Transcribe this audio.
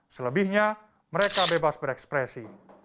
selebihnya mereka bebas berekspresi